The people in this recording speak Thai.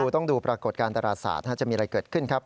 ต้องดูปรากฏการณ์ตราศาสตร์จะมีอะไรเกิดขึ้นครับ